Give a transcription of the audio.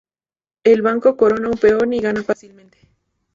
El blanco corona un peón y gana fácilmente.